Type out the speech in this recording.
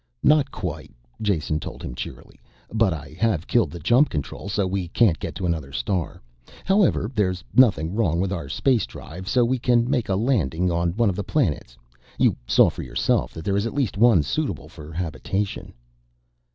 "Not quite," Jason told him cheerily. "But I have killed the jump control so we can't get to another star. However there's nothing wrong with our space drive, so we can make a landing on one of the planets you saw for yourself that there is at least one suitable for habitation."